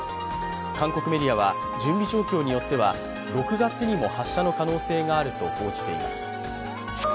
韓国メディアは、準備状況によっては、６月にも発射の可能性があると報じています。